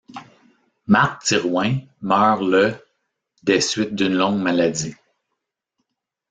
Marc Thirouin meurt le des suites d'une longue maladie.